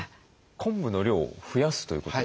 昆布の量を増やすということですか？